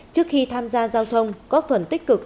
trước khi tham gia giao thông có phần tích cực